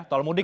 tol mudik ya